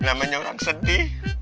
namanya orang sedih